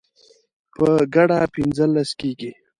په ګډه پنځلس کیږي